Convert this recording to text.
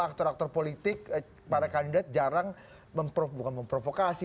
aktor aktor politik para kandidat jarang memprovokasi